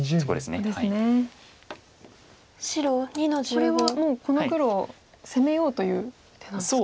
これはもうこの黒を攻めようという手なんですか？